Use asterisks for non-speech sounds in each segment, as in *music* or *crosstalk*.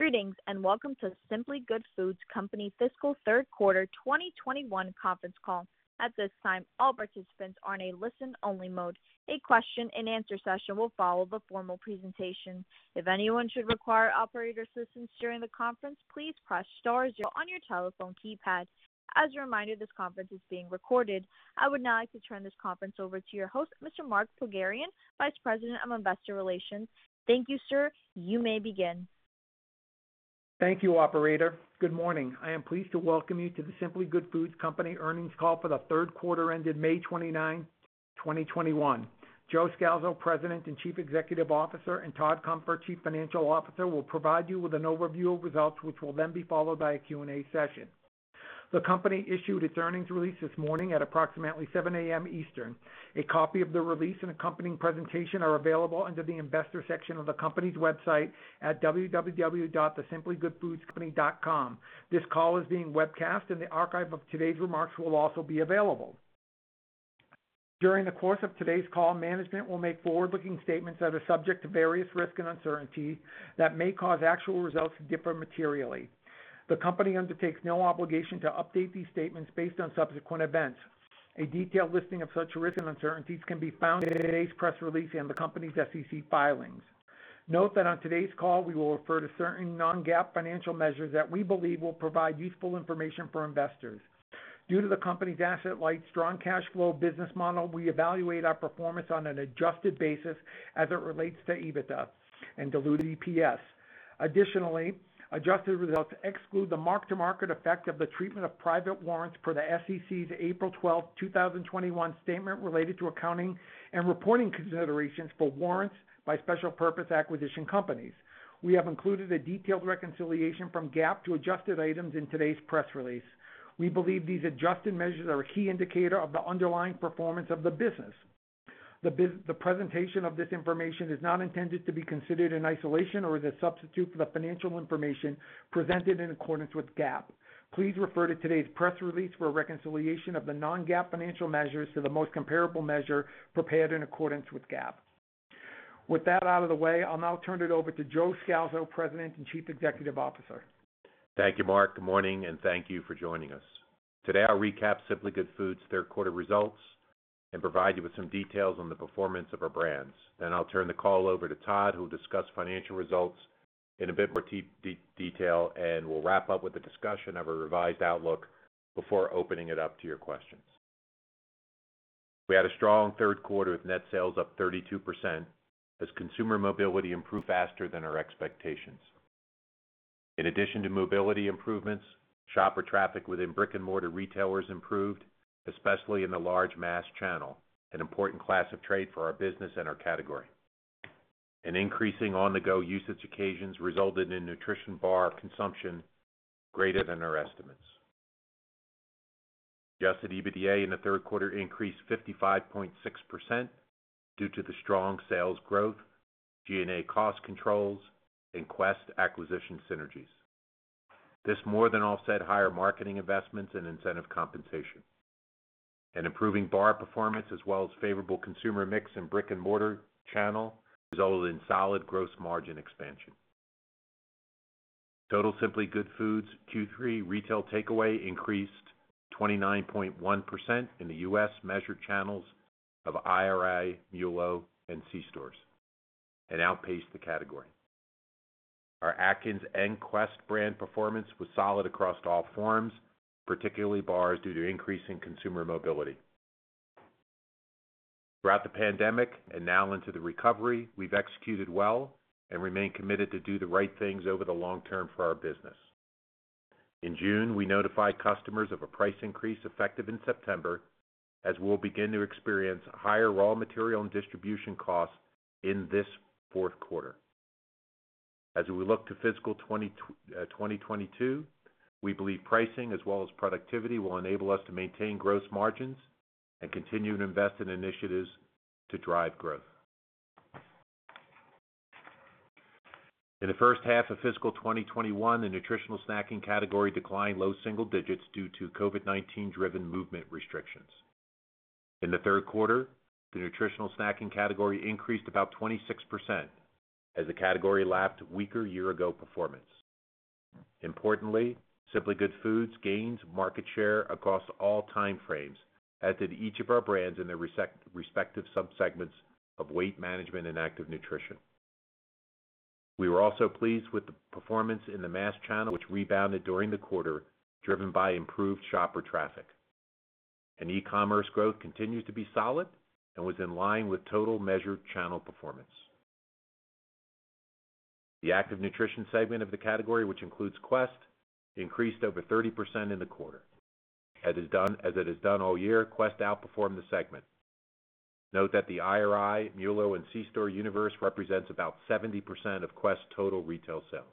Greetings, and welcome to The Simply Good Foods Company Fiscal Third Quarter 2021 conference call. At this time, all participants are in a listen-only mode. A question and answer session will follow the formal presentation. If anyone should require operator assistance during the conference, please press star zero on your telephone keypad. As a reminder, this conference is being recorded. I would now like to turn this conference over to your host, Mr. Mark Pogharian, Vice President of Investor Relations. Thank you, sir. You may begin. Thank you, operator. Good morning. I am pleased to welcome you to The Simply Good Foods Company earnings call for the third quarter ended May 29, 2021. Joe Scalzo, President and Chief Executive Officer, and Todd Cunfer, Chief Financial Officer, will provide you with an overview of results, which will then be followed by a Q&A session. The company issued its earnings release this morning at approximately 7:00 A.M. Eastern. A copy of the release and accompanying presentation are available under the investor section of the company's website at www.thesimplygoodfoodscompany.com. This call is being webcast and the archive of today's remarks will also be available. During the course of today's call, management will make forward-looking statements that are subject to various risks and uncertainties that may cause actual results to differ materially. The company undertakes no obligation to update these statements based on subsequent events. A detailed listing of such risks and uncertainties can be found in today's press release and the company's SEC filings. Note that on today's call, we will refer to certain non-GAAP financial measures that we believe will provide useful information for investors. Due to the company's asset-light strong cash flow business model, we evaluate our performance on an adjusted basis as it relates to EBITDA and diluted EPS. Additionally, adjusted results exclude the mark-to-market effect of the treatment of private warrants per the SEC's April 12th, 2021 statement related to accounting and reporting considerations for warrants by special purpose acquisition companies. We have included a detailed reconciliation from GAAP to adjusted items in today's press release. We believe these adjusted measures are a key indicator of the underlying performance of the business. The presentation of this information is not intended to be considered in isolation or as a substitute for the financial information presented in accordance with GAAP. Please refer to today's press release for a reconciliation of the non-GAAP financial measures to the most comparable measure prepared in accordance with GAAP. With that out of the way, I'll now turn it over to Joe Scalzo, President and Chief Executive Officer. Thank you, Mark. Good morning, and thank you for joining us. Today, I'll recap Simply Good Foods' third quarter results and provide you with some details on the performance of our brands. I'll turn the call over to Todd, who will discuss financial results in a bit more detail, and we'll wrap up with a discussion of a revised outlook before opening it up to your questions. We had a strong third quarter with net sales up 32% as consumer mobility improved faster than our expectations. In addition to mobility improvements, shopper traffic within brick-and-mortar retailers improved, especially in the large mass channel, an important class of trade for our business and our category. Increasing on-the-go usage occasions resulted in nutrition bar consumption greater than our estimates. Adjusted EBITDA in the third quarter increased 55.6% due to the strong sales growth, G&A cost controls, and Quest acquisition synergies. This more than offset higher marketing investments and incentive compensation. An improving bar performance as well as favorable consumer mix in brick-and-mortar channel resulted in solid gross margin expansion. Total Simply Good Foods Q3 retail takeaway increased 29.1% in the US measured channels of IRI, MULO, and C stores and outpaced the category. Our Atkins and Quest brand performance was solid across all forms, particularly bars due to increasing consumer mobility. Throughout the pandemic and now into the recovery, we've executed well and remain committed to do the right things over the long term for our business. In June, we notified customers of a price increase effective in September as we'll begin to experience higher raw material and distribution costs in this fourth quarter. As we look to fiscal 2022, we believe pricing as well as productivity will enable us to maintain gross margins and continue to invest in initiatives to drive growth. In the first half of fiscal 2021, the nutritional snacking category declined low single digits due to COVID-19 driven movement restrictions. In the third quarter, the nutritional snacking category increased about 26% as the category lapped weaker year ago performance. Importantly, Simply Good Foods gains market share across all time frames as did each of our brands in their respective subsegments of weight management and active nutrition. We were also pleased with the performance in the mass channel, which rebounded during the quarter, driven by improved shopper traffic. E-commerce growth continued to be solid and was in line with total measured channel performance. The active nutrition segment of the category, which includes Quest, increased over 30% in the quarter. As it has done all year, Quest outperformed the segment. Note that the IRI, MULO, and C Store universe represents about 70% of Quest total retail sales.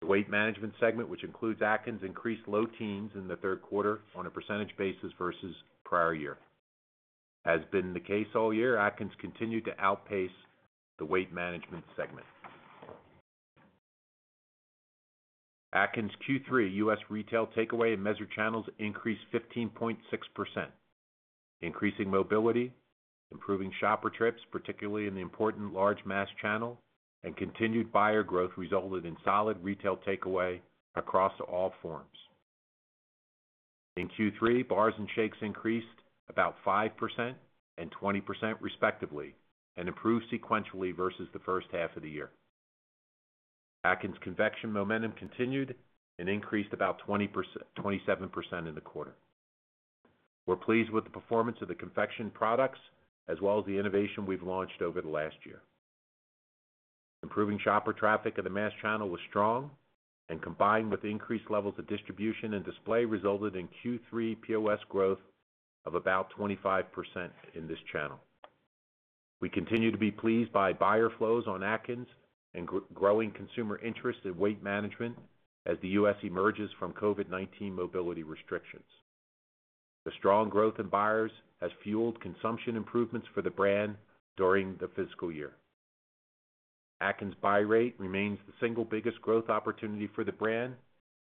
The weight management segment, which includes Atkins, increased low teens in the third quarter on a percentage basis versus prior year. As been the case all year, Atkins continued to outpace the weight management segment. Atkins Q3 US retail takeaway measured channels increased 15.6%. Increasing mobility, improving shopper trips, particularly in the important large mass channel, and continued buyer growth resulted in solid retail takeaway across all forms. In Q3, bars and shakes increased about 5% and 20% respectively and improved sequentially versus the first half of the year. Atkins confection momentum continued and increased about 27% in the quarter. We're pleased with the performance of the confection products as well as the innovation we've launched over the last year. Improving shopper traffic at the mass channel was strong and combined with increased levels of distribution and display resulted in Q3 POS growth of about 25% in this channel. We continue to be pleased by buyer flows on Atkins and growing consumer interest in weight management as the U.S. emerges from COVID-19 mobility restrictions. The strong growth in buyers has fueled consumption improvements for the brand during the fiscal year. Atkins buy rate remains the single biggest growth opportunity for the brand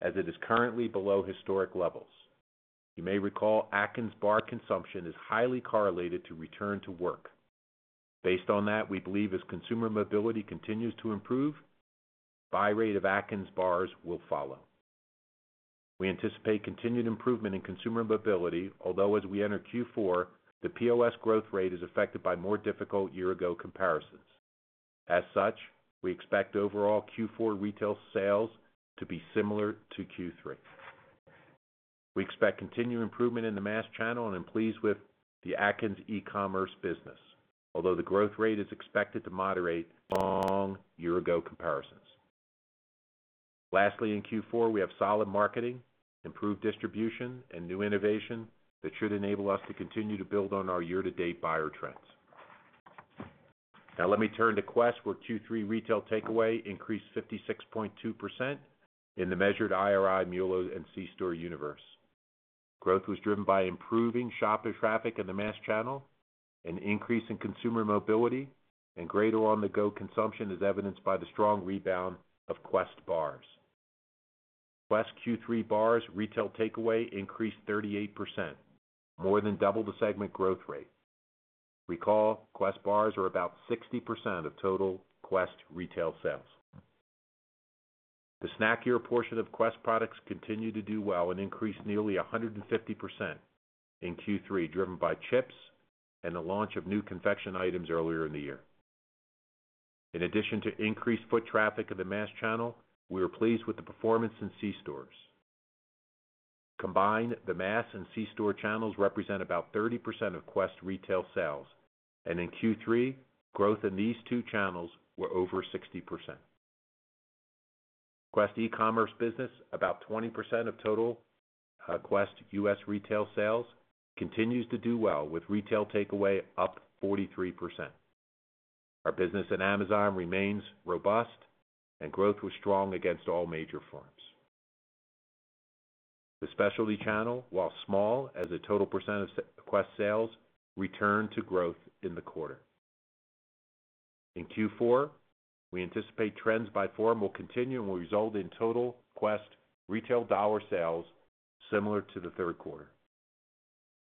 as it is currently below historic levels. You may recall Atkins bar consumption is highly correlated to return to work. Based on that, we believe as consumer mobility continues to improve, buy rate of Atkins bars will follow. We anticipate continued improvement in consumer mobility, although as we enter Q4, the POS growth rate is affected by more difficult year ago comparisons. As such, we expect overall Q4 retail sales to be similar to Q3. We expect continued improvement in the mass channel and are pleased with the Atkins e-commerce business, although the growth rate is expected to moderate strong year-ago comparisons. In Q4, we have solid marketing, improved distribution, and new innovation that should enable us to continue to build on our year-to-date buyer trends. Now let me turn to Quest, where Q3 retail takeaway increased 56.2% in the measured IRI, MULO, and C store universe. Growth was driven by improving shopper traffic in the mass channel, an increase in consumer mobility, and greater on-the-go consumption as evidenced by the strong rebound of Quest bars. Quest Q3 bars retail takeaway increased 38%, more than double the segment growth rate. Recall, Quest bars are about 60% of total Quest retail sales. The snackier portion of Quest products continued to do well and increased nearly 150% in Q3, driven by chips and the launch of new confection items earlier in the year. In addition to increased foot traffic in the mass channel, we are pleased with the performance in C stores. Combined, the mass and C store channels represent about 30% of Quest retail sales, and in Q3, growth in these two channels were over 60%. Quest e-commerce business, about 20% of total Quest US retail sales, continues to do well with retail takeaway up 43%. Our business at Amazon remains robust and growth was strong against all major forms. The specialty channel, while small as a total percentage of Quest sales, returned to growth in the quarter. In Q4, we anticipate trends by form will continue and will result in total Quest retail dollar sales similar to the third quarter.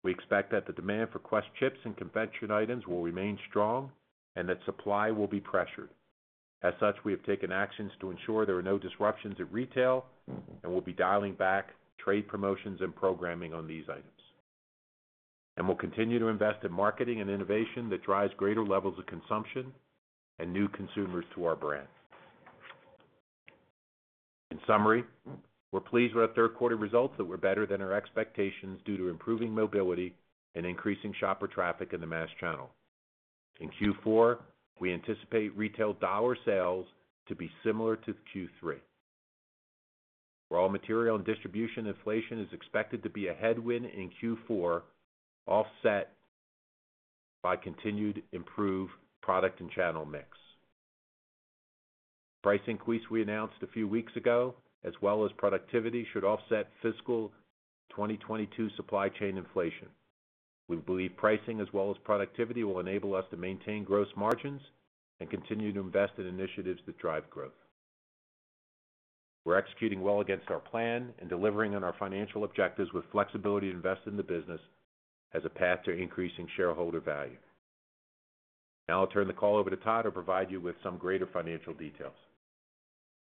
We expect that the demand for Quest chips and confection items will remain strong and that supply will be pressured. As such, we have taken actions to ensure there are no disruptions at retail, and we'll be dialing back trade promotions and programming on these items. We'll continue to invest in marketing and innovation that drives greater levels of consumption and new consumers to our brands. In summary, we're pleased with our third quarter results that were better than our expectations due to improving mobility and increasing shopper traffic in the mass channel. In Q4, we anticipate retail dollar sales to be similar to Q3, Raw material and distribution inflation is expected to be a headwind in Q4 offset by continued improved product and channel mix. Price increase we announced a few weeks ago, as well as productivity, should offset fiscal 2022 supply chain inflation. We believe pricing as well as productivity will enable us to maintain gross margins and continue to invest in initiatives that drive growth. We're executing well against our plan and delivering on our financial objectives with flexibility to invest in the business as a path to increasing shareholder value. I'll turn the call over to Todd to provide you with some greater financial details.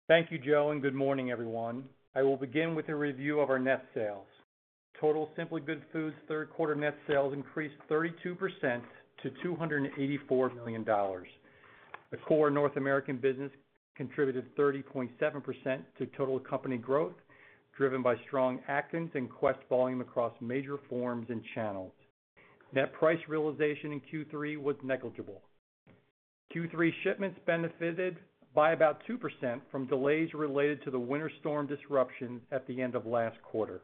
Thank you, Joe, and good morning, everyone. I will begin with a review of our net sales. Total Simply Good Foods third quarter net sales increased 32% to $284 million. The core North American business contributed 30.7% to total company growth, driven by strong Atkins and Quest volume across major forms and channels. Net price realization in Q3 was negligible. Q3 shipments benefited by about 2% from delays related to the winter storm disruption at the end of last quarter.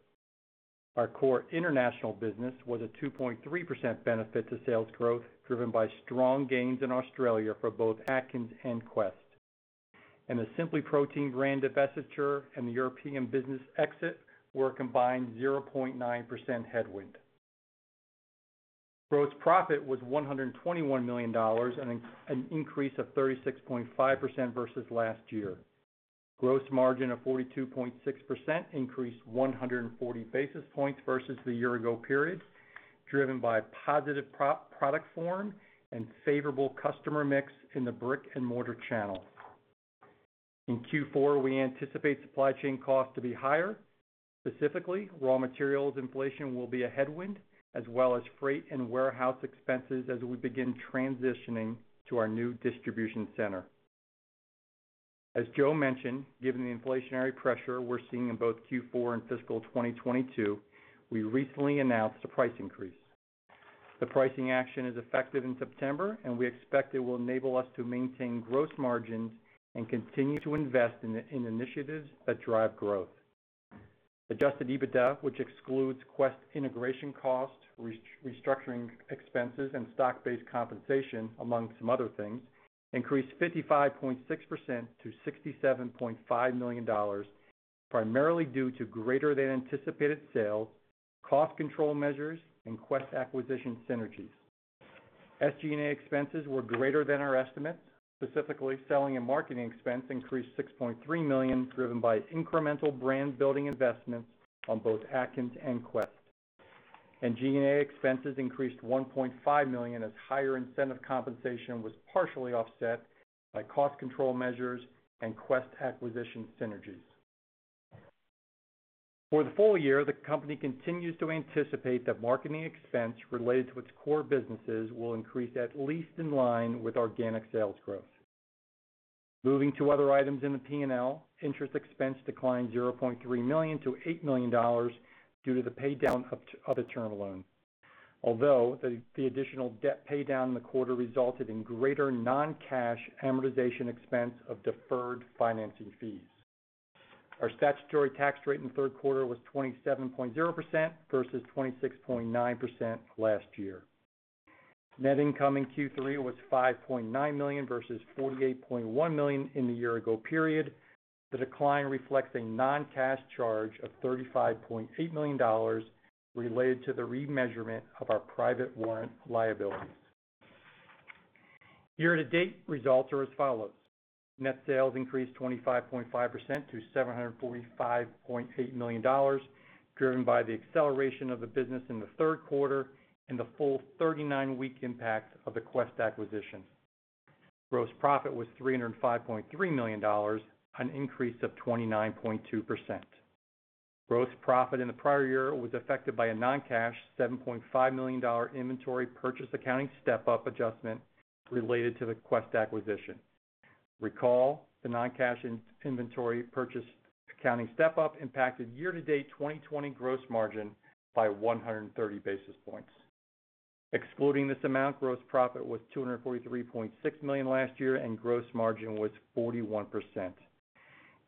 Our core international business was a 2.3% benefit to sales growth, driven by strong gains in Australia for both Atkins and Quest. The SimplyProtein brand divestiture and the European business exit were a combined 0.9% headwind. Gross profit was $121 million, an increase of 36.5% versus last year. Gross margin of 42.6%, increased 140 basis points versus the year ago period, driven by positive product form and favorable customer mix in the brick-and-mortar channel. In Q4, we anticipate supply chain costs to be higher. Specifically, raw materials inflation will be a headwind, as well as freight and warehouse expenses as we begin transitioning to our new distribution center. As Joe mentioned, given the inflationary pressure we're seeing in both Q4 and fiscal 2022, we recently announced a price increase. The pricing action is effective in September, and we expect it will enable us to maintain gross margins and continue to invest in initiatives that drive growth. Adjusted EBITDA, which excludes Quest integration costs, restructuring expenses, and stock-based compensation, among some other things, increased 55.6% to $67.5 million, primarily due to greater than anticipated sales, cost control measures, and Quest acquisition synergies. SG&A expenses were greater than our estimate. Specifically, selling and marketing expense increased $6.3 million, driven by incremental brand-building investments on both Atkins and Quest. G&A expenses increased $1.5 million as higher incentive compensation was partially offset by cost control measures and Quest acquisition synergies. For the full year, the company continues to anticipate that marketing expense related to its core businesses will increase at least in line with organic sales growth. Moving to other items in the P&L, interest expense declined $0.3 million to $8 million due to the pay down of the term loan. Although, the additional debt pay down in the quarter resulted in greater non-cash amortization expense of deferred financing fees. Our statutory tax rate in the third quarter was 27.0% versus 26.9% last year. Net income in Q3 was $5.9 million versus $48.1 million in the year ago period. The decline reflects a non-cash charge of $35.8 million related to the remeasurement of our private warrant liability. Year-to-date results are as follows. Net sales increased 25.5% to $745.8 million, driven by the acceleration of the business in the third quarter and the full 39-week impact of the Quest acquisition. Gross profit was $305.3 million, an increase of 29.2%. Gross profit in the prior year was affected by a non-cash $7.5 million inventory purchase accounting step-up adjustment related to the Quest acquisition. Recall, the non-cash inventory purchase accounting step-up impacted year-to-date 2020 gross margin by 130 basis points. Excluding this amount, gross profit was $243.6 million last year and gross margin was 41%.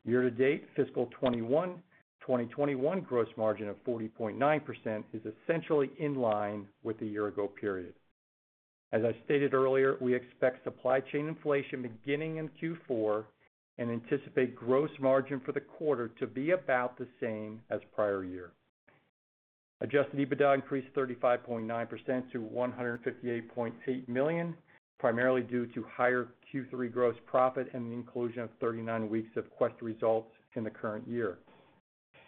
Year-to-date fiscal 2021 gross margin of 40.9% is essentially in line with the year ago period. As I stated earlier, we expect supply chain inflation beginning in Q4 and anticipate gross margin for the quarter to be about the same as prior year. Adjusted EBITDA increased 35.9% to $158.8 million, primarily due to higher Q3 gross profit and the inclusion of 39 weeks of Quest results in the current year.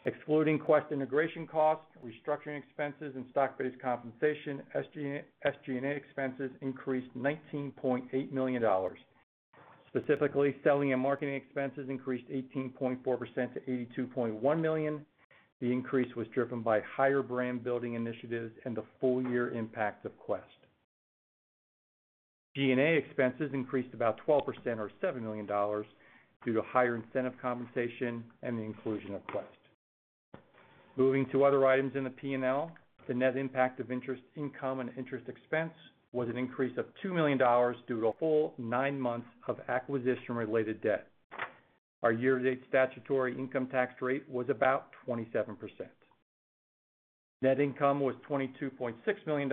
Excluding Quest integration costs, restructuring expenses, and stock-based compensation, SG&A expenses increased $19.8 million. Specifically, selling and marketing expenses increased 18.4% to $82.1 million. The increase was driven by higher brand-building initiatives and the full year impact of Quest. G&A expenses increased about 12% or $7 million due to higher incentive compensation and the inclusion of Quest. Moving to other items in the P&L, the net impact of interest income and interest expense was an increase of $2 million due to the full nine months of acquisition-related debt. Our year-to-date statutory income tax rate was about 27%. Net income was $22.6 million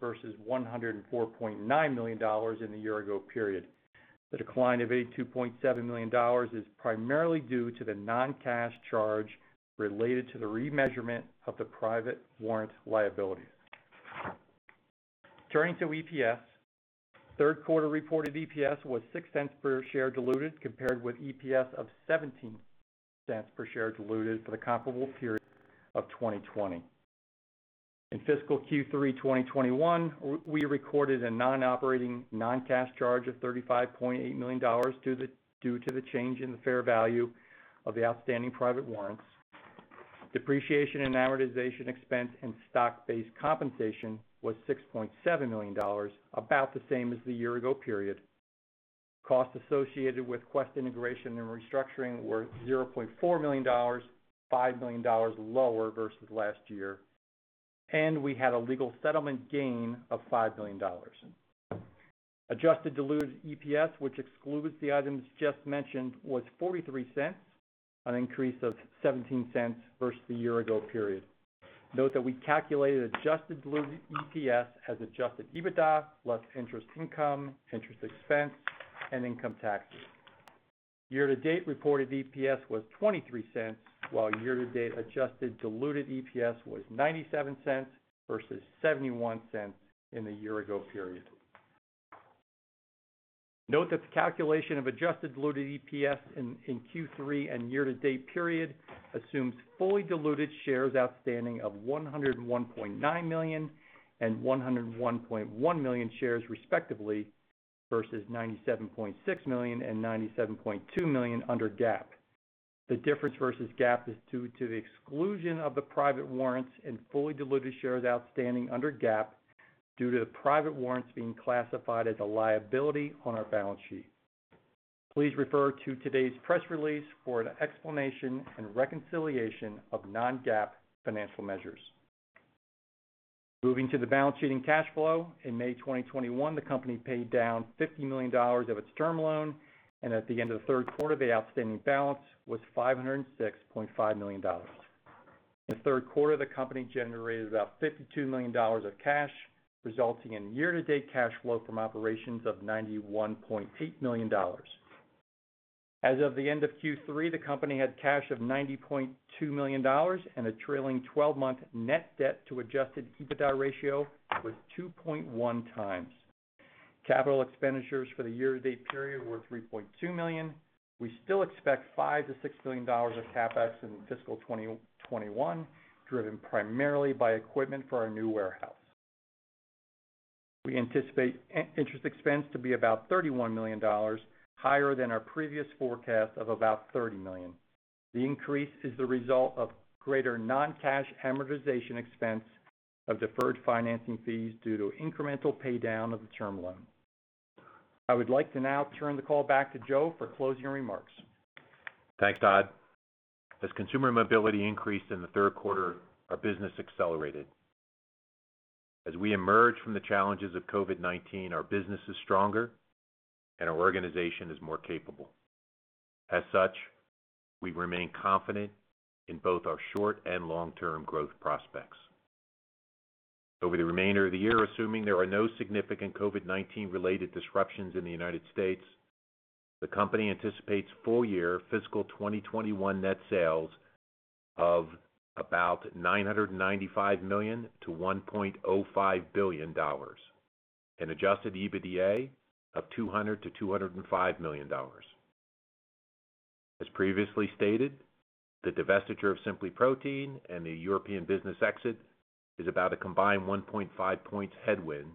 versus $104.9 million in the year ago period. The decline of $82.7 million is primarily due to the non-cash charge related to the remeasurement of the private warrant liability. Turning to EPS, third quarter reported EPS was $0.06 per share diluted compared with EPS of $0.17 per share diluted for the comparable period of 2020. In fiscal Q3 2021, we recorded a non-operating non-cash charge of $35.8 million due to the change in the fair value of the outstanding private warrants. Depreciation and amortization expense and stock-based compensation was $6.7 million, about the same as the year ago period. Costs associated with Quest integration and restructuring were $0.4 million, $5 million lower versus last year. We had a legal settlement gain of $5 million. Adjusted diluted EPS, which excludes the items just mentioned, was $0.43, an increase of $0.17 versus the year-ago period. Note that we calculate adjusted diluted EPS as adjusted EBITDA, less interest income, interest expense, and income taxes. Year-to-date reported EPS was $0.23, while year-to-date adjusted diluted EPS was $0.97 versus $0.71 in the year-ago period. Note that the calculation of adjusted diluted EPS in Q3 and year-to-date period assumes fully diluted shares outstanding of 101.9 million and 101.1 million shares respectively, versus 97.6 million and 97.2 million under GAAP. The difference versus GAAP is due to the exclusion of the private warrants in fully diluted shares outstanding under GAAP due to the private warrants being classified as a liability on our balance sheet. Please refer to today's press release for an explanation and reconciliation of non-GAAP financial measures. Moving to the balance sheet and cash flow. In May 2021, the company paid down $50 million of its term loan, and at the end of the third quarter, the outstanding balance was $506.5 million. In the third quarter, the company generated about $52 million of cash, resulting in year-to-date cash flow from operations of $91.8 million. As of the end of Q3, the company had cash of $90.2 million, and the trailing 12-month net debt to adjusted EBITDA ratio was 2.1x. Capital expenditures for the year-to-date period were $3.2 million. We still expect $5 million-$6 million of CapEx in fiscal 2021, driven primarily by equipment for our new warehouse. We anticipate interest expense to be about $31 million, higher than our previous forecast of about $30 million. The increase is the result of greater non-cash amortization expense of deferred financing fees due to incremental paydown of the term loan. I would like to now turn the call back to Joe for closing remarks. Thanks, Todd. As consumer mobility increased in the third quarter, our business accelerated. As we emerge from the challenges of COVID-19, our business is stronger and our organization is more capable. As such, we remain confident in both our short and long-term growth prospects. Over the remainder of the year, assuming there are no significant COVID-19 related disruptions in the United States, the company anticipates full-year fiscal 2021 net sales of about $995 million to $1.05 billion and adjusted EBITDA of $200 million to $205 million. As previously stated, the divestiture of SimplyProtein and the European business exit is about a combined 1.5 points headwind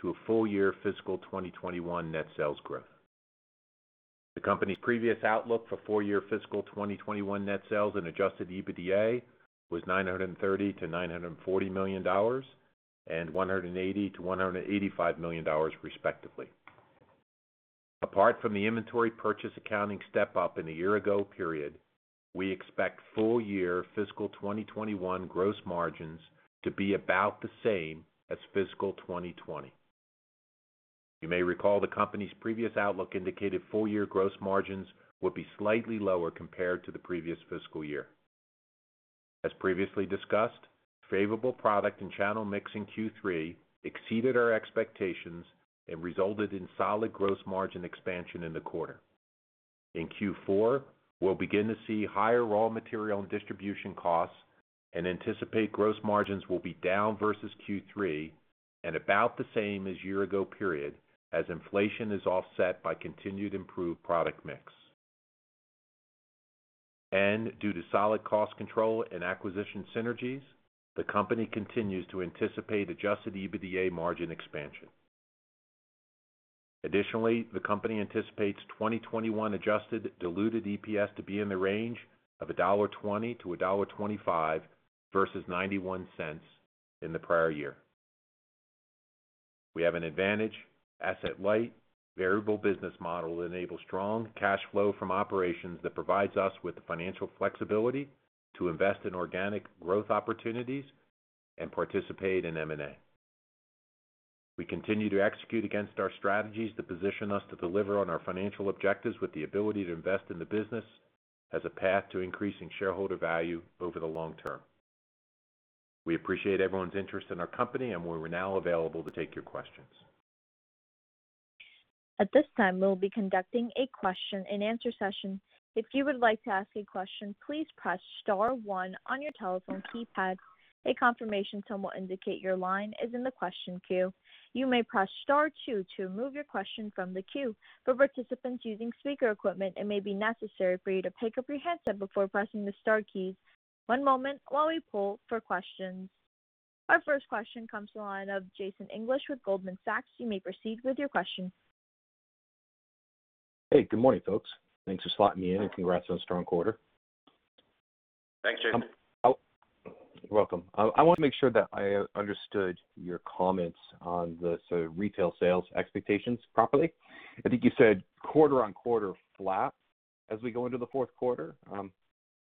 to a full-year fiscal 2021 net sales growth. The company's previous outlook for full-year fiscal 2021 net sales and adjusted EBITDA was $930 million-$940 million and $180 million-$185 million respectively. Apart from the inventory purchase accounting step-up in the year ago period, we expect full-year fiscal 2021 gross margins to be about the same as fiscal 2020. You may recall the company's previous outlook indicated full-year gross margins would be slightly lower compared to the previous fiscal year. As previously discussed, favorable product and channel mix in Q3 exceeded our expectations and resulted in solid gross margin expansion in the quarter. In Q4, we'll begin to see higher raw material and distribution costs and anticipate gross margins will be down versus Q3 and about the same as year ago period as inflation is offset by continued improved product mix. Due to solid cost control and acquisition synergies, the company continues to anticipate adjusted EBITDA margin expansion. Additionally, the company anticipates 2021 adjusted diluted EPS to be in the range of $1.20-$1.25 versus $0.91 in the prior year. We have an advantage, asset-light, variable business model that enables strong cash flow from operations that provides us with the financial flexibility to invest in organic growth opportunities and participate in M&A. We continue to execute against our strategies that position us to deliver on our financial objectives with the ability to invest in the business as a path to increasing shareholder value over the long term. We appreciate everyone's interest in our company, and we are now available to take your questions. At this time, we'll be conducting a question and answer session. If you would like to ask a question, please press star one on your telephone keypad. A confirmation tone will indicate your line is in the question queue. You may press star two to remove your question from the queue. For participants using speaker equipment, it may be necessary for you to pick up your handset before pressing the star keys. One moment while we poll for questions. Our first question comes from the line of Jason English with Goldman Sachs. You may proceed with your question. Hey, good morning, folks. Thanks for slotting me in. Congrats on a strong quarter. Thanks, Jason. You're welcome. I want to make sure that I understood your comments on the retail sales expectations properly. I think you said quarter-on-quarter flat as we go into the fourth quarter,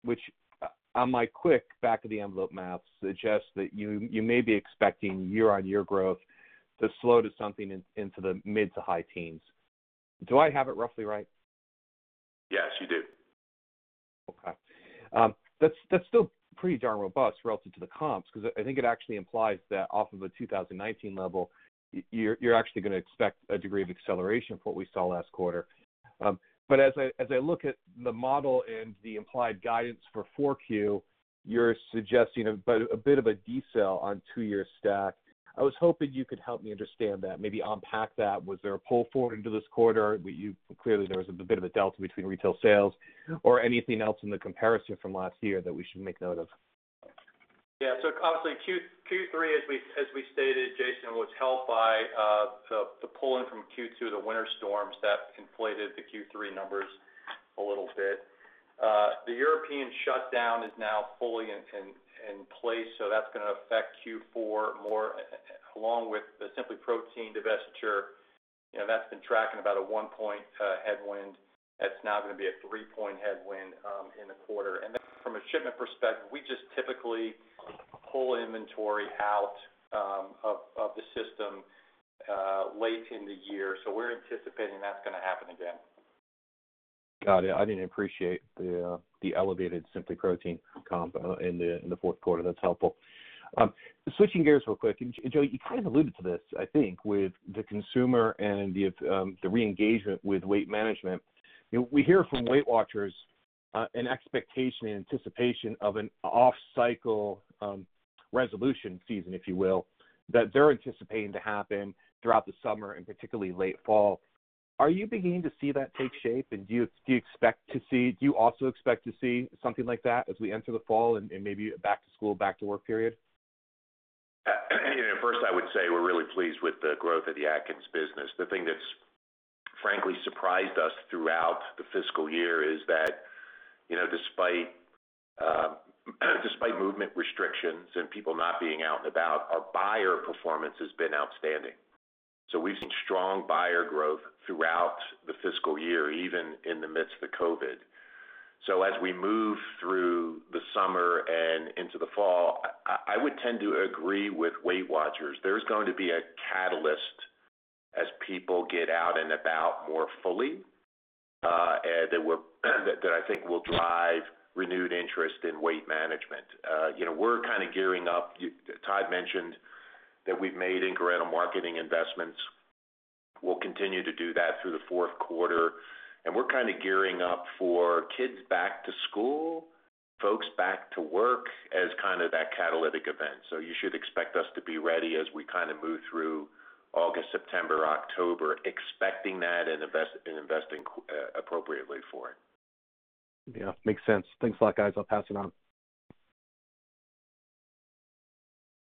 which on my quick back of the envelope math suggests that you may be expecting year-on-year growth to slow to something into the mid to high teens. Do I have it roughly right? Yes. That's still pretty darn robust relative to the comps, because I think it actually implies that off of the 2019 level, you're actually going to expect a degree of acceleration from what we saw last quarter. As I look at the model and the implied guidance for 4Q, you're suggesting a bit of a decel on two-year stack. I was hoping you could help me understand that, maybe unpack that. Was there a pull forward into this quarter? Clearly, there was a bit of a delta between retail sales. Anything else in the comparison from last year that we should make note of? Yeah. Constantly Q3, as we stated, Jason, was held by the pull-in from Q2, the winter storms that inflated the Q3 numbers a little bit. The European shutdown is now fully in place, that's going to affect Q4 more, along with the SimplyProtein divestiture. That's been tracking about a one point headwind. That's now going to be a three point headwind in the quarter. From a shipment perspective, we just typically pull inventory out of the system late in the year. We're anticipating that's going to happen again. Got it. I didn't appreciate the elevated SimplyProtein comp in the fourth quarter. That's helpful. Switching gears real quick, Joe, you kind of alluded to this, I think, with the consumer and the re-engagement with weight management. We hear from Weight Watchers an expectation and anticipation of an off-cycle resolution season, if you will, that they're anticipating to happen throughout the summer and particularly late fall. Are you beginning to see that take shape? Do you also expect to see something like that as we enter the fall and maybe a back to school, back to work period? First, I would say we're really pleased with the growth of the Atkins business. The thing that's frankly surprised us throughout the fiscal year is that despite movement restrictions and people not being out and about, our buyer performance has been outstanding. We've seen strong buyer growth throughout the fiscal year, even in the midst of COVID-19. As we move through the summer and into the fall, I would tend to agree with Weight Watchers. There's going to be a catalyst as people get out and about more fully that I think will drive renewed interest in weight management. We're kind of gearing up. Todd mentioned that we've made incremental marketing investments. We'll continue to do that through the fourth quarter, and we're kind of gearing up for kids back to school, folks back to work as kind of that catalytic event. You should expect us to be ready as we kind of move through August, September, October, expecting that and investing appropriately for it. Yeah, makes sense. Thanks a lot, guys. I'll pass it on.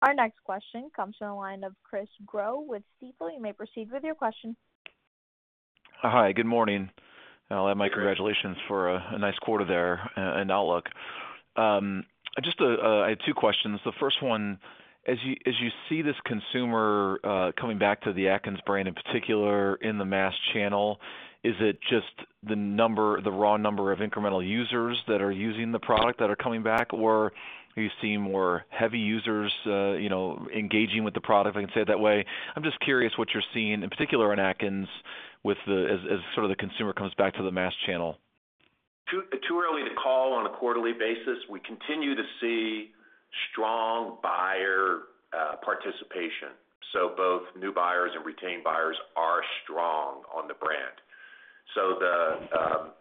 Our next question comes from the line of Chris Growe with Stifel. You may proceed with your question. Hi, good morning. My congratulations for a nice quarter there and outlook. I had two questions. The first one, as you see this consumer coming back to the Atkins brand in particular in the mass channel, is it just the raw number of incremental users that are using the product that are coming back? Or are you seeing more heavy users engaging with the product, if I can say it that way? I'm just curious what you're seeing in particular in Atkins as sort of the consumer comes back to the mass channel. Too early to call on a quarterly basis. We continue to see strong buyer participation. Both new buyers and retained buyers are strong on the brand.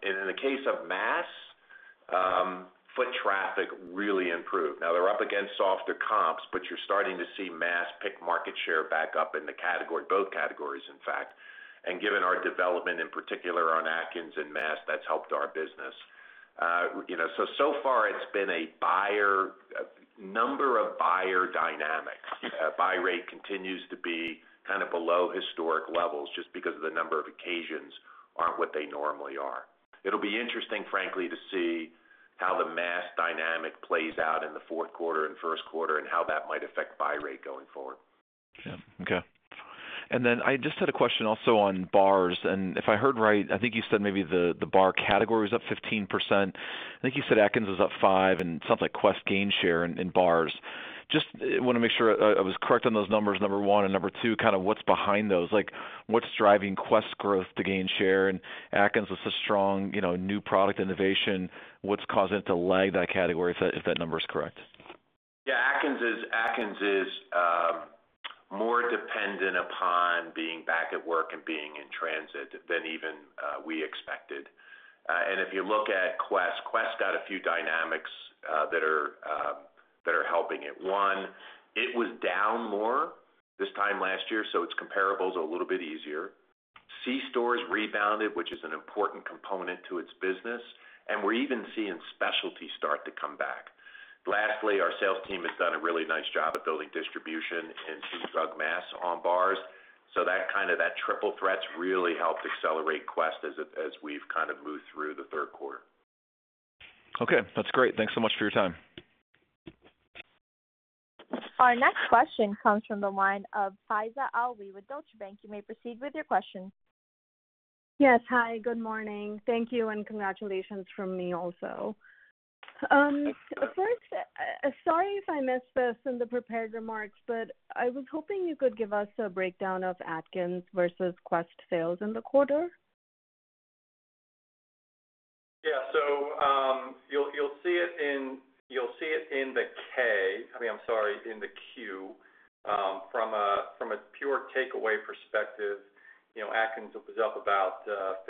In the case of mass, foot traffic really improved. Now they're up against softer comps, but you're starting to see mass pick market share back up in both categories, in fact. Given our development in particular on Atkins and mass, that's helped our business. So far it's been a number of buyer dynamics. Buy rate continues to be kind of below historic levels just because the number of occasions aren't what they normally are. It'll be interesting, frankly, to see how the mass dynamic plays out in the fourth quarter and first quarter and how that might affect buy rate going forward. Okay. Then I just had a question also on bars, if I heard right, I think you said maybe the bar category is up 15%. I think you said Atkins is up five and it sounds like Quest gained share in bars. Just want to make sure I was correct on those numbers, number one, and number two, kind of what's behind those? What's driving Quest growth to gain share and Atkins with some strong new product innovation? What's causing it to lag that category, if that number is correct? Yeah, Atkins is more dependent upon being back at work and being in transit than even we expected. If you look at Quest's got a few dynamics that are helping it. One, it was down more this time last year, so it's comparables a little bit easier. C stores rebounded, which is an important component to its business, and we're even seeing specialty start to come back. Lastly, our sales team has done a really nice job of building distribution in key drug mass on bars. That kind of triple threat's really helped accelerate Quest as we've kind of moved through the third quarter. Okay, that's great. Thanks so much for your time. Our next question comes from the line of Faiza Alwy with Deutsche Bank. You may proceed with your question. Yes. Hi, good morning. Thank you, and congratulations from me also. Sorry if I missed this in the prepared remarks, but I was hoping you could give us a breakdown of Atkins versus Quest sales in the quarter. You'll see it in the Q. From a pure takeaway perspective, Atkins was up about 15%,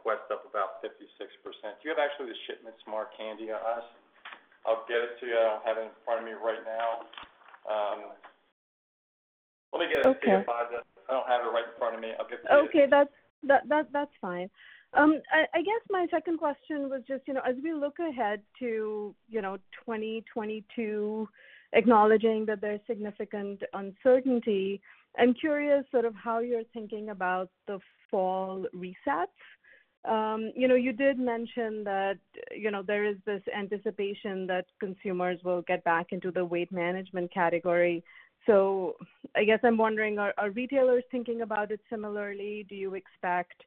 Quest up about 56%. Do you have actually the shipments, Mark, handy on us? I'll get it to you. I don't have it in front of me right now. Let me get it. Okay. I apologize. I don't have it right in front of me. I'll get that to you. Okay. That's fine. I guess my second question was just, as we look ahead to 2022, acknowledging that there's significant uncertainty, I'm curious sort of how you're thinking about the fall resets. You did mention that there is this anticipation that consumers will get back into the weight management category. I guess I'm wondering, are retailers thinking about it similarly? Do you expect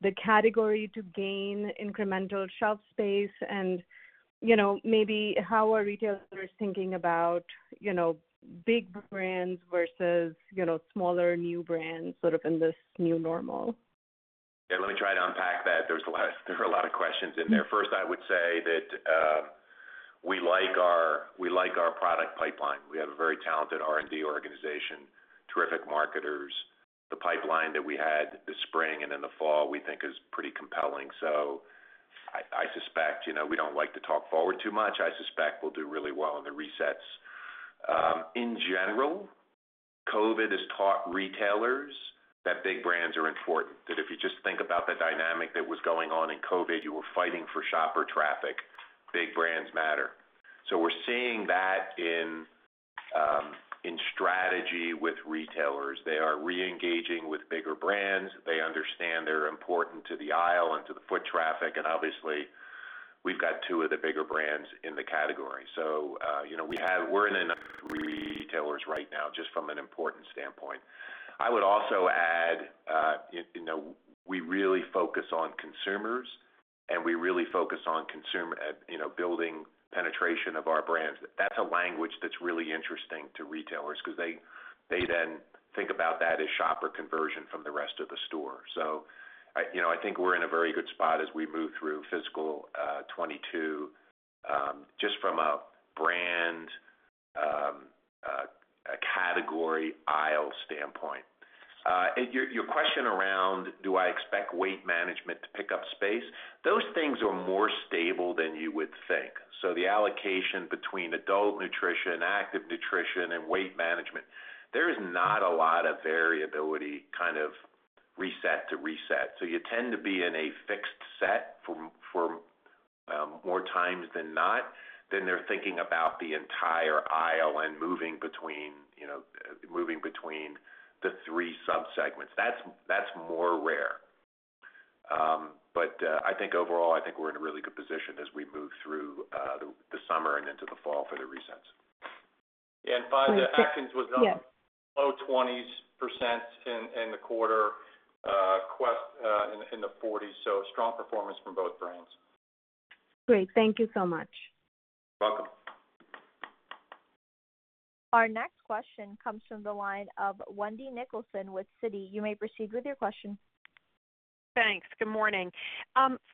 the category to gain incremental shelf space and maybe how are retailers thinking about big brands versus smaller new brands sort of in this new normal? Let me try to unpack that. There's a lot of questions in there. First, I would say that we like our product pipeline. We have a very talented R&D organization, terrific marketers. The pipeline that we had this spring and in the fall we think is pretty compelling. I suspect, we don't like to talk forward too much. I suspect we'll do really well in the resets. In general, COVID has taught retailers that big brands are important, that if you just think about the dynamic that was going on in COVID, you were fighting for shopper traffic. Big brands matter. We're seeing that in strategy with retailers. They are re-engaging with bigger brands. They understand they're important to the aisle and to the foot traffic, and obviously, we've got two of the bigger brands in the category. We're in an *audio distortion* retailers right now, just from an importance standpoint. I would also add, we really focus on consumers, and we really focus on building penetration of our brands. That's a language that's really interesting to retailers because they then think about that as shopper conversion from the rest of the store. I think we're in a very good spot as we move through fiscal 2022, just from a brand, category, aisle standpoint. Your question around do I expect weight management to pick up space, those things are more stable than you would think. The allocation between adult nutrition, active nutrition, and weight management, there is not a lot of variability kind of reset to reset. You tend to be in a fixed set for more times than not, than they're thinking about the entire aisle and moving between the three sub-segments. That's more rare. I think overall, I think we're in a really good position as we move through the summer and into the fall for the resets. Terrific. Yeah. Finally, Atkins was up low 20s% in the quarter, Quest in the 40s%, so strong performance from both brands. Great. Thank you so much. Welcome. Our next question comes from the line of Wendy Nicholson with Citi. You may proceed with your question. Thanks. Good morning.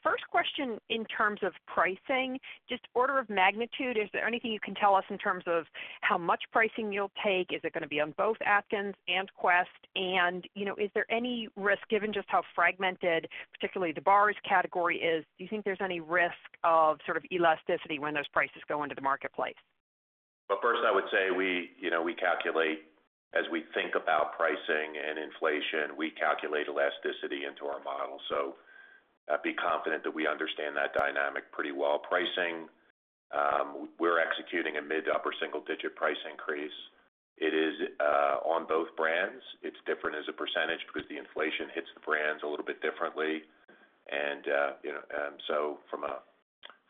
First question in terms of pricing, just order of magnitude, is there anything you can tell us in terms of how much pricing you'll take? Is it going to be on both Atkins and Quest? Is there any risk, given just how fragmented, particularly the bars category is, do you think there's any risk of sort of elasticity when those prices go into the marketplace? First, I would say we calculate as we think about pricing and inflation, we calculate elasticity into our model. I'd be confident that we understand that dynamic pretty well. Pricing, we're executing a mid to upper single-digit price increase. It is on both brands. It's different as a percentage because the inflation hits the brands a little bit differently.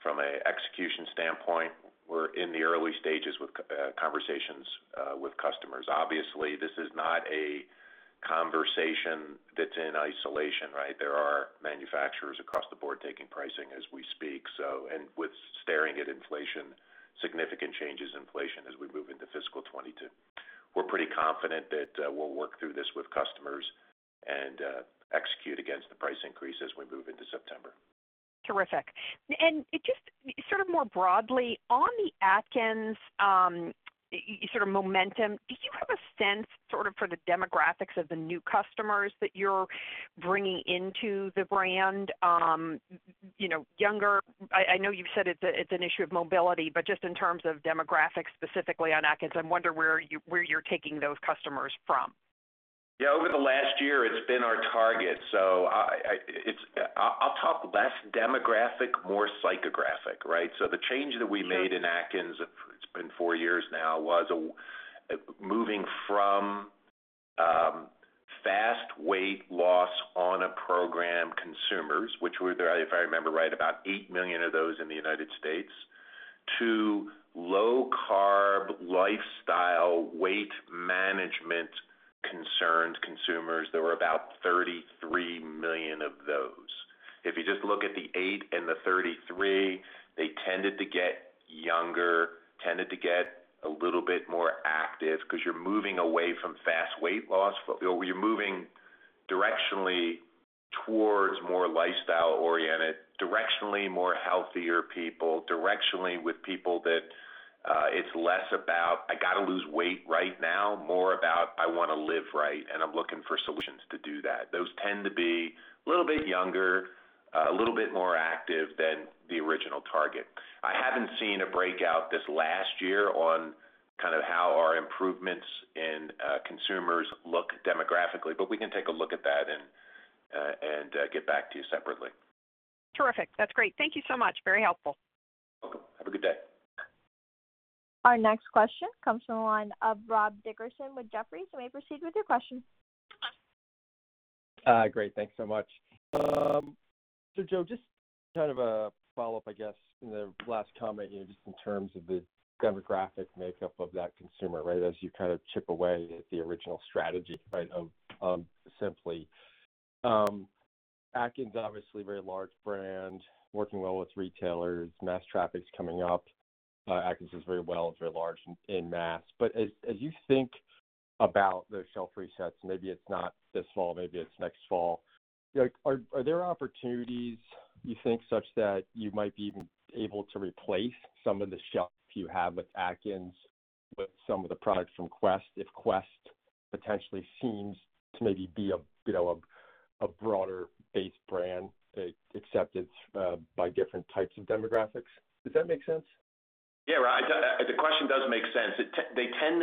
From an execution standpoint, we're in the early stages with conversations with customers. Obviously, this is not a conversation that's in isolation, right? There are manufacturers across the board taking pricing as we speak, and with staring at inflation, significant changes inflation as we move into fiscal 2022. We're pretty confident that we'll work through this with customers and execute against the price increase as we move into September. Terrific. Just sort of more broadly, on the Atkins sort of momentum, do you have a sense sort of for the demographics of the new customers that you're bringing into the brand? I know you've said it's an issue of mobility, but just in terms of demographics specifically on Atkins, I wonder where you're taking those customers from. Yeah. Over the last year, it's been our target. I'll talk less demographic, more psychographic, right? The change that we made in Atkins, it's been four years now, was moving from fast weight loss on a program consumers, which were, if I remember right, about 8 million of those in the United States, to low carb lifestyle. There were about 33 million of those. If you just look at the eight and the 33, they tended to get younger, tended to get a little bit more active because you're moving away from fast weight loss. You're moving directionally towards more lifestyle-oriented, directionally more healthier people, directionally with people that it's less about, "I got to lose weight right now," more about, "I want to live right, and I'm looking for solutions to do that." Those tend to be a little bit younger, a little bit more active than the original target. I haven't seen a breakout this last year on how our improvements in consumers look demographically, but we can take a look at that and get back to you separately. Terrific. That's great. Thank you so much. Very helpful. You're welcome. Have a good day. Our next question comes from the line of Rob Dickerson with Jefferies. Please proceed with your question. Great. Thanks so much. Joe, just a follow-up, I guess, in the last comment, just in terms of the demographic makeup of that consumer, as you chip away at the original strategy of Simply. Atkins, obviously, a very large brand working well with retailers. mass traffic's coming up. Atkins does very well. It's very large in mass. As you think about those shelf resets, maybe it's not this fall, maybe it's next fall. Are there opportunities you think such that you might be even able to replace some of the shelf you have with Atkins, with some of the products from Quest, if Quest potentially seems to maybe be a broader base brand accepted by different types of demographics? Does that make sense? Yeah. The question does make sense. They tend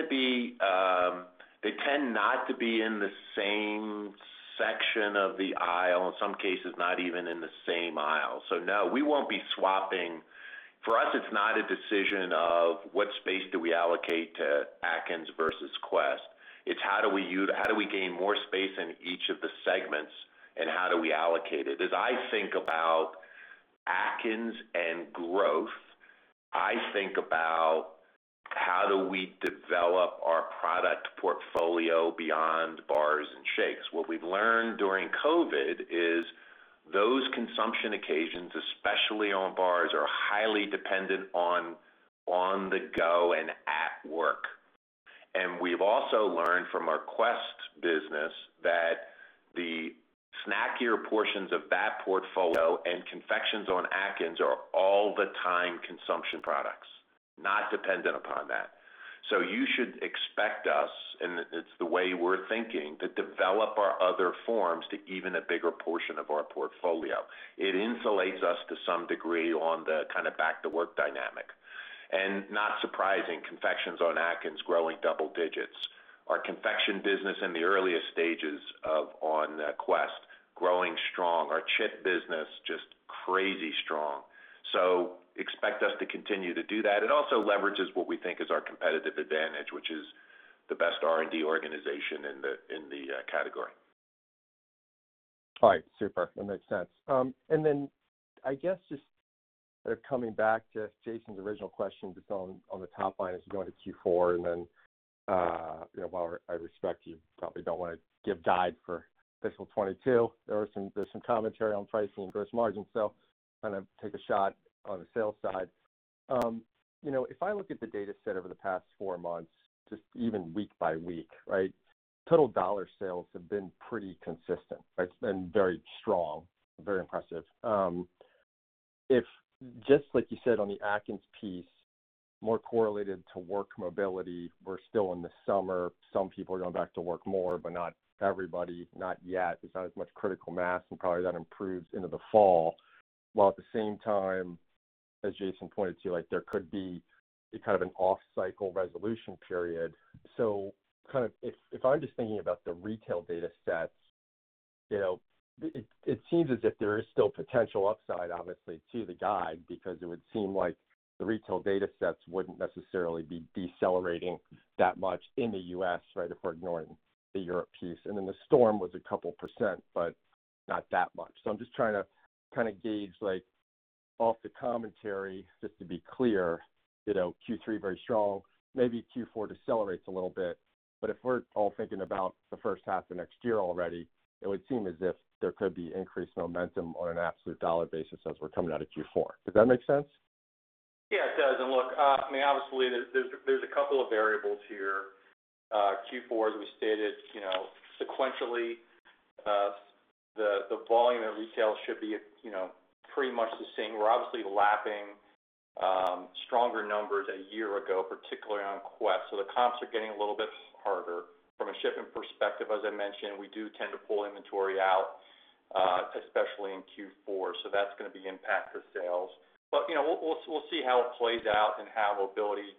not to be in the same section of the aisle, in some cases, not even in the same aisle. No, we won't be swapping. For us, it's not a decision of what space do we allocate to Atkins versus Quest. It's how do we gain more space in each of the segments and how do we allocate it? As I think about Atkins and growth, I think about how do we develop our product portfolio beyond bars and shakes. What we've learned during COVID-19 is those consumption occasions, especially on bars, are highly dependent on the go and at work. We've also learned from our Quest business that the snackier portions of that portfolio and confections on Atkins are all the time consumption products, not dependent upon that. You should expect us, and it's the way we're thinking, to develop our other forms to even a bigger portion of our portfolio. It insulates us to some degree on the back to work dynamic. Not surprising, confections on Atkins growing double digits. Our confection business in the earliest stages on Quest growing strong. Our chip business, just crazy strong. Expect us to continue to do that. It also leverages what we think is our competitive advantage, which is the best R&D organization in the category. All right. Super. That makes sense. Then just coming back to Jason's original question, just on the top line as we go into Q4, and then while I respect you probably don't want to give guide for fiscal 2022, there's some commentary on price and gross margin. Take a shot on the sales side. If I look at the data set over the past four months, just even week by week, total dollar sales have been pretty consistent, right? It's been very strong, very impressive. If, just like you said on the Atkins piece, more correlated to work mobility, we're still in the summer. Some people are going back to work more, but not everybody, not yet. There's not as much critical mass and probably that improves into the fall. At the same time, as Jason pointed to, there could be an off-cycle resolution period. If I'm just thinking about the retail data sets, it seems as if there is still potential upside, obviously, to the guide, because it would seem like the retail data sets wouldn't necessarily be decelerating that much in the U.S. if we're ignoring the Europe piece. The storm was a couple percent, but not that much. I'm just trying to gauge off the commentary, just to be clear, Q3 very strong, maybe Q4 decelerates a little bit. If we're all thinking about the 1st half of next year already, it would seem as if there could be increased momentum on an absolute dollar basis as we're coming out of Q4. Does that make sense? Yeah, it does. Look, honestly, there's a couple of variables here. Q4, as we stated, sequentially the volume of retail should be pretty much the same. We're obviously lapping stronger numbers a year ago, particularly on Quest. The comps are getting a little bit harder. From a shipping perspective, as I mentioned, we do tend to pull inventory out, especially in Q4, so that's going to impact our sales. We'll see how it plays out and how mobility,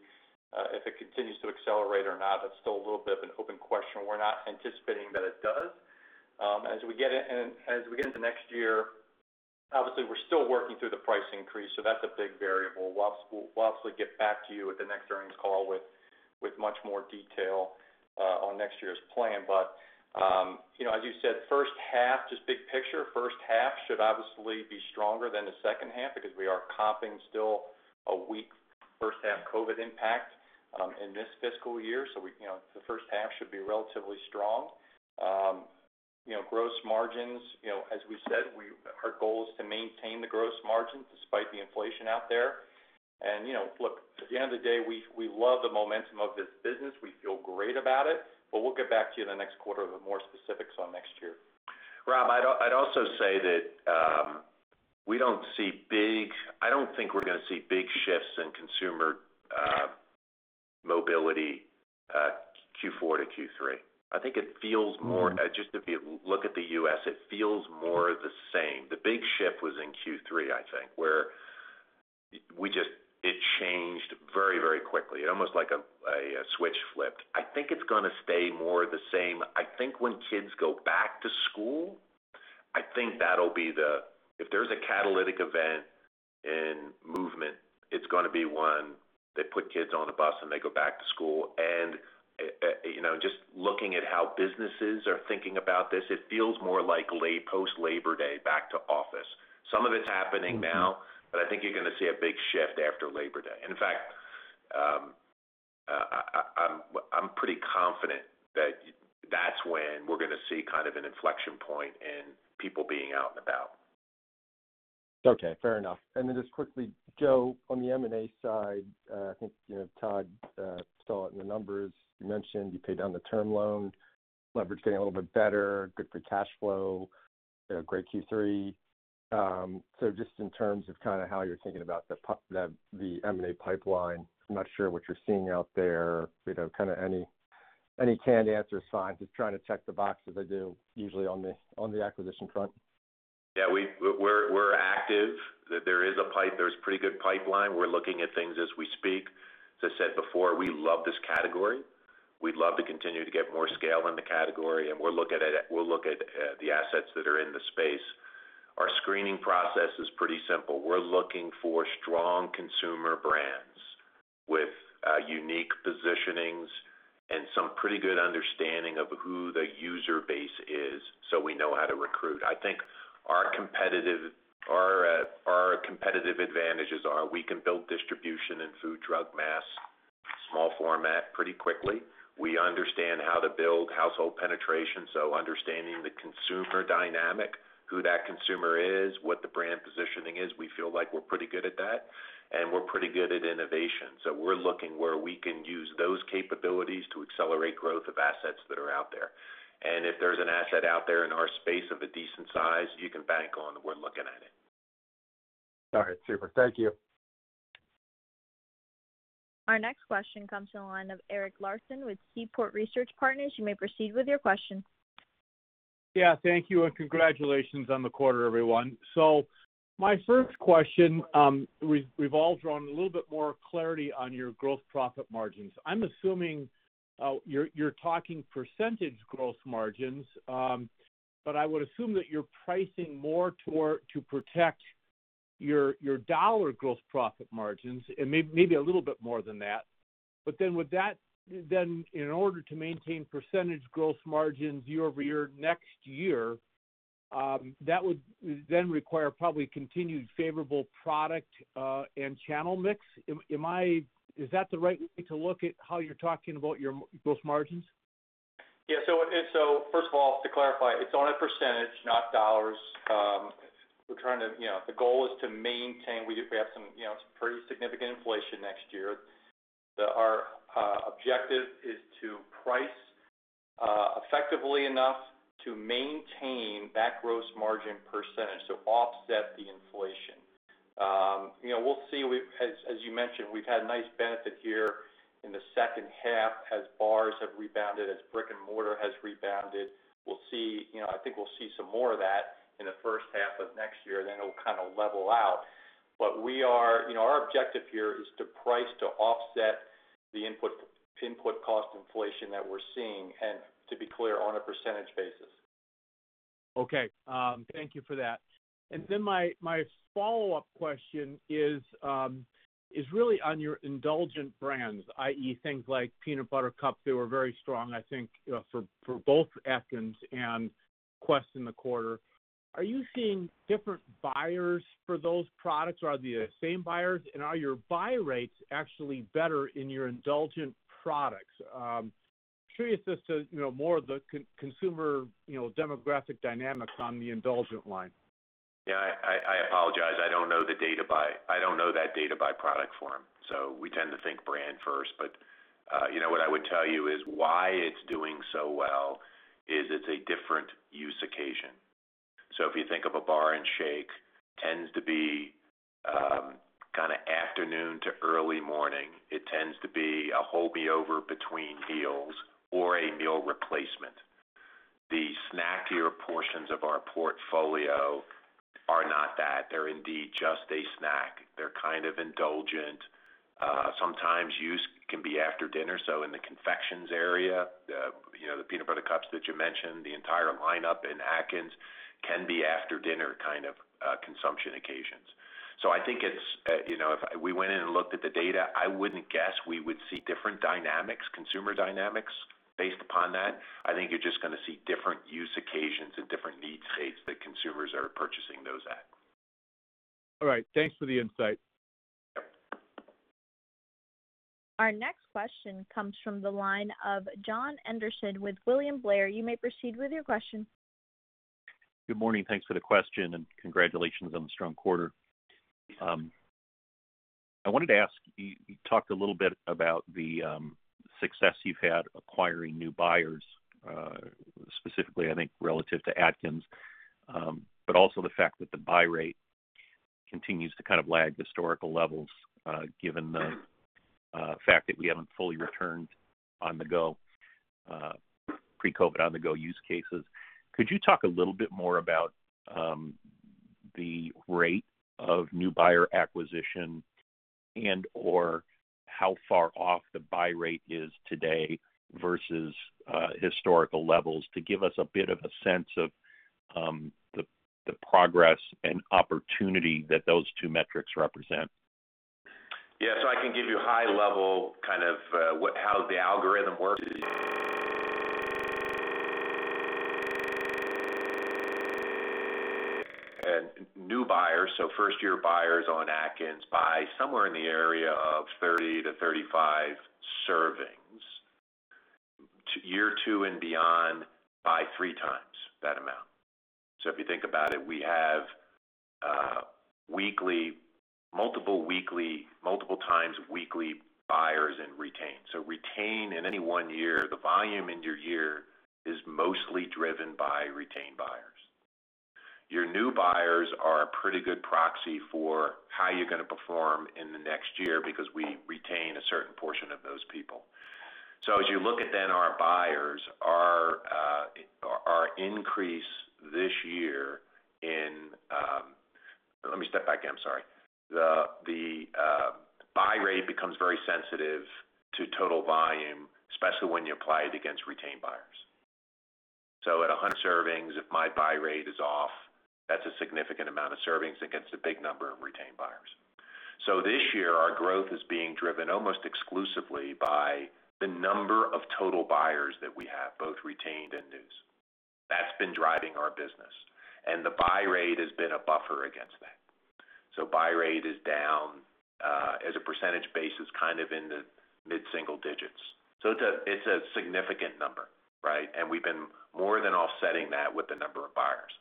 if it continues to accelerate or not, that's still a little bit of an open question. We're not anticipating that it does. As we get into next year, obviously, we're still working through the price increase, so that's a big variable. We'll obviously get back to you at the next earnings call with much more detail on next year's plan. As you said, first half, just big picture, first half should obviously be stronger than the second half because we are comping still a weak. First half COVID-19 impact in this fiscal year. The first half should be relatively strong. Gross margins, as we said, our goal is to maintain the gross margins despite the inflation out there. Look, at the end of the day, we love the momentum of this business. We feel great about it, but we'll get back to you the next quarter with more specifics on next year. Rob, I'd also say that I don't think we're going to see big shifts in consumer mobility Q4 to Q3. I think it feels more, just if you look at the U.S., it feels more the same. The big shift was in Q3, I think, where it changed very quickly, almost like a switch flipped. I think it's going to stay more the same. I think when kids go back to school, I think if there's a catalytic event in movement, it's going to be when they put kids on the bus and they go back to school. Just looking at how businesses are thinking about this, it feels more like post-Labor Day back to office. Some of it's happening now, I think you're going to see a big shift after Labor Day. In fact, I'm pretty confident that that's when we're going to see an inflection point in people being out and about. Okay. Fair enough. Just quickly, Joe, on the M&A side, I think Todd saw it in the numbers. You mentioned you paid down the term loan, leverage a little bit better, good for cash flow, great Q3. Just in terms of how you're thinking about the M&A pipeline, I'm not sure what you're seeing out there. Any candid answer or signs? Just trying to check the boxes I do usually on the acquisition front. Yeah, we're active. There's a pretty good pipeline. We're looking at things as we speak. As I said before, we love this category. We'd love to continue to get more scale in the category, and we'll look at the assets that are in the space. Our screening process is pretty simple. We're looking for strong consumer brands with unique positionings and some pretty good understanding of who the user base is so we know how to recruit. I think our competitive advantages are we can build distribution in food, drug, mass, small format pretty quickly. We understand how to build household penetration, so understanding the consumer dynamic, who that consumer is, what the brand positioning is, we feel like we're pretty good at that. We're pretty good at innovation. We're looking where we can use those capabilities to accelerate growth of assets that are out there. If there's an asset out there in our space of a decent size, you can bank on we're looking at it. All right, super. Thank you. Our next question comes from the line of Eric Larson with Seaport Research Partners. You may proceed with your question. Thank you, and congratulations on the quarter, everyone. My first question revolves around a little bit more clarity on your gross profit margins. You're talking percentage gross margins, but I would assume that you're pricing more to protect your dollar gross profit margins and maybe a little bit more than that. In order to maintain percentage gross margins year over year next year, that would then require probably continued favorable product and channel mix. Is that the right way to look at how you're talking about your gross margins? First of all, to clarify, it's on a percentage, not dollars. The goal is to maintain. We have some pretty significant inflation next year. Our objective is to price effectively enough to maintain that gross margin percentage to offset the inflation. We'll see. As you mentioned, we've had a nice benefit here in the second half as bars have rebounded, as brick and mortar has rebounded. I think we'll see some more of that in the first half of next year, then it'll kind of level out. Our objective here is to price to offset the input cost inflation that we're seeing, and to be clear, on a percentage basis. Okay. Thank you for that. My follow-up question is really on your indulgent brands, i.e., things like peanut butter cups that were very strong, I think, for both Atkins and Quest in the quarter. Are you seeing different buyers for those products, or are they the same buyers? Are your buy rates actually better in your indulgent products? I'm curious just more of the consumer demographic dynamics on the indulgent line. I apologize. I don't know that data by product form, we tend to think brand first. What I would tell you is why it's doing so well is it's a different use occasion. If you think of a bar and shake, tends to be afternoon to early morning. It tends to be a hold me over between meals or a meal replacement. The snackier portions of our portfolio are not that. They're indeed just a snack. They're kind of indulgent. Sometimes use can be after dinner. In the confections area, the peanut butter cups that you mentioned, the entire lineup in Atkins can be after-dinner kind of consumption occasions. I think if we went in and looked at the data, I wouldn't guess we would see different consumer dynamics. Based upon that, I think you're just going to see different use occasions and different need states that consumers are purchasing those at. All right. Thanks for the insight. Our next question comes from the line of Jon Andersen with William Blair. You may proceed with your question. Good morning. Thanks for the question, congratulations on the strong quarter. I wanted to ask, you talked a little bit about the success you've had acquiring new buyers, specifically, I think, relative to Atkins. Also the fact that the buy rate continues to lag historical levels, given the fact that we haven't fully returned pre-COVID on-the-go use cases. Could you talk a little bit more about the rate of new buyer acquisition and/or how far off the buy rate is today versus historical levels to give us a bit of a sense of the progress and opportunity that those two metrics represent? Yeah. I can give you a high level of how the algorithm works. New buyers, first-year buyers on Atkins buy somewhere in the area of 30-35 servings. Year two and beyond buy three times that amount. If you think about it, we have multiple times weekly buyers in retain. Retain in any one year, the volume in your year is mostly driven by retained buyers. Your new buyers are a pretty good proxy for how you're going to perform in the next year because we retain a certain portion of those people. As you look at our buyers. Let me step back again, sorry. The buy rate becomes very sensitive to total volume, especially when you apply it against retained buyers. At 100 servings, if my buy rate is off, that's a significant amount of servings against a big number of retained buyers. This year, our growth is being driven almost exclusively by the number of total buyers that we have, both retained and new. That's been driving our business. The buy rate has been a buffer against that. Buy rate is down as a percentage basis is kind of in the mid-single digits. It's a significant number, right? We've been more than offsetting that with the number of buyers.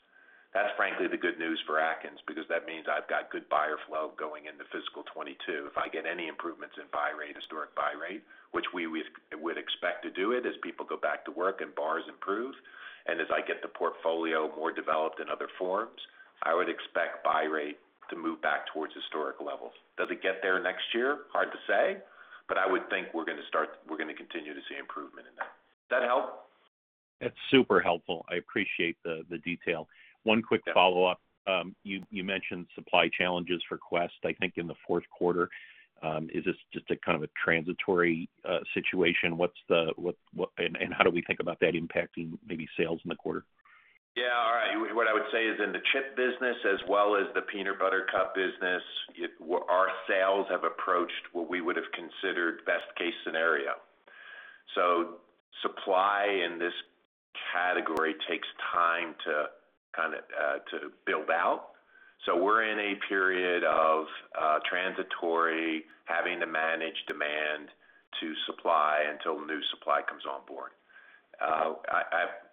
That's frankly the good news for Atkins because that means I've got good buyer flow going into fiscal 2022. If I get any improvements in buy rate, historic buy rate, which we would expect to do it as people go back to work and bars improve, and as I get the portfolio more developed in other forms, I would expect buy rate to move back towards historical levels. Does it get there next year? Hard to say, but I would think we're going to continue to see improvement in that. Does that help? That's super helpful. I appreciate the detail. One quick follow-up. You mentioned supply challenges for Quest, I think in the fourth quarter. Is this just a kind of transitory situation? How do we think about that impacting maybe sales in the quarter? Yeah. All right. What I would say is in the chip business as well as the peanut butter cup business, our sales have approached what we would've considered best case scenario. Supply in this category takes time to build out. We're in a period of transitory, having to manage demand to supply until the new supply comes on board.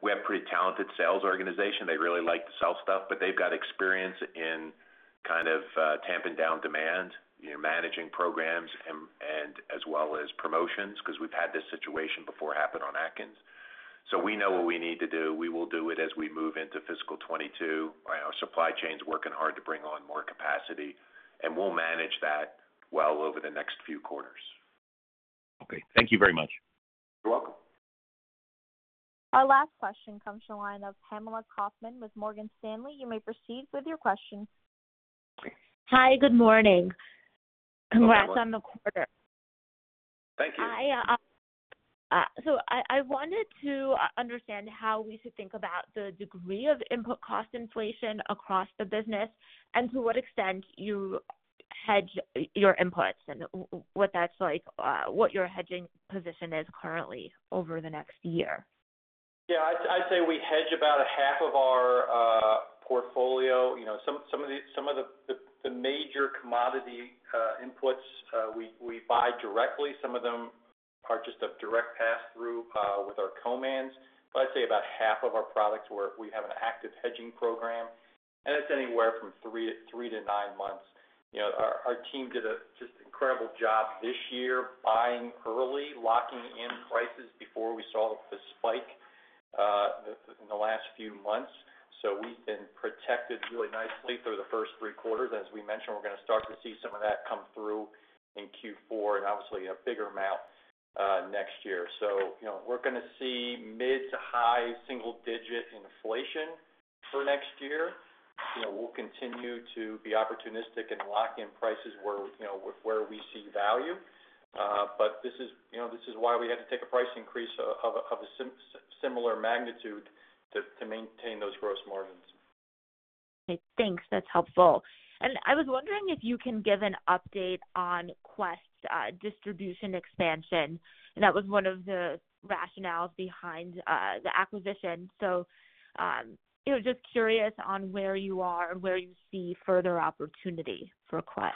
We have pretty talented sales organization. They really like to sell stuff, but they've got experience in tamping down demand, managing programs and as well as promotions because we've had this situation before happen on Atkins. We know what we need to do. We will do it as we move into fiscal 2022. Supply chain's working hard to bring on more capacity, and we'll manage that well over the next few quarters. Okay. Thank you very much. You're welcome. Our last question comes from the line of Pamela Kaufman with Morgan Stanley. You may proceed with your question. Hi, good morning. Good morning. Congrats on the quarter. I wanted to understand how we should think about the degree of input cost inflation across the business and to what extent you hedge your inputs and what your hedging position is currently over the next year. I'd say we hedge about half of our portfolio. Some of the major commodity inputs we buy directly. Some of them are just a direct pass-through with our co-mans. I'd say about half of our products where we have an active hedging program, and it's anywhere from three to nine months. Our team did a just incredible job this year buying early, locking in prices before we saw the spike in the last few months. We've been protected really nicely for the first three quarters. As we mentioned, we're going to start to see some of that come through in Q4 and obviously a bigger amount next year. We're going to see mid to high single-digit inflation for next year. We'll continue to be opportunistic and lock in prices with where we see value. This is why we have to take a price increase of a similar magnitude to maintain those gross margins. Okay, thanks. That's helpful. I was wondering if you can give an update on Quest distribution expansion. That was one of the rationales behind the acquisition. Just curious on where you are and where you see further opportunities for Quest.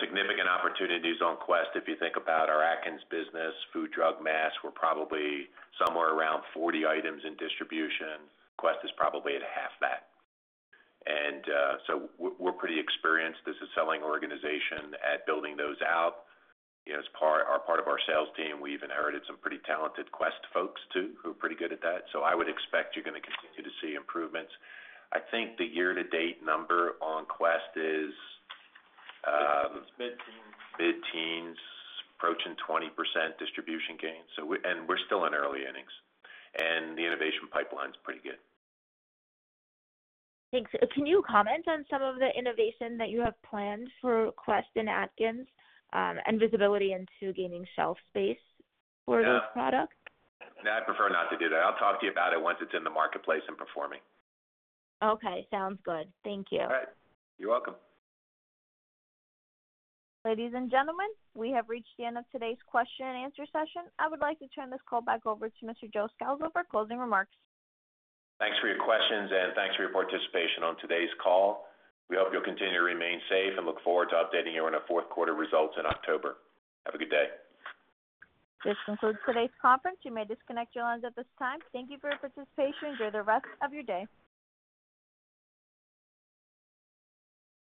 Significant opportunities on Quest, if you think about our Atkins business, food, drug, mass, we're probably somewhere around 40 items in distribution. Quest is probably at half that. We're pretty experienced as a selling organization at building those out. As part of our sales team, we've inherited some pretty talented Quest folks, too, who are pretty good at that. I would expect you're going to continue to see improvements. I think the year-to-date number on Quest is. Mid-teens. Mid-teens, approaching 20% distribution gain. We're still in early innings, and the innovation pipeline's pretty good. Thanks. Can you comment on some of the innovation that you have planned for Quest and Atkins, and visibility into gaining shelf space for the product? No, I'd prefer not to do that. I'll talk to you about it once it's in the marketplace and performing. Okay, sounds good. Thank you. All right. You're welcome. Ladies and gentlemen, we have reached the end of today's question and answer session. I would like to turn this call back over to Mr. Joe Scalzo for closing remarks. Thanks for your questions and thanks for your participation on today's call. We hope you'll continue to remain safe and look forward to updating you on our fourth quarter results in October. Have a good day. This concludes today's conference. You may disconnect your lines at this time. Thank you for your participation. Enjoy the rest of your day.